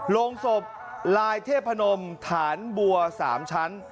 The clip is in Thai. โรงศพลายเทพนมฐานบัว๓ชั้น